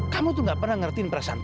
kamu tuh gak pernah ngertiin perasaan papa